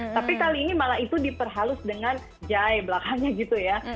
tapi kali ini malah itu diperhalus dengan jay belakangnya gitu ya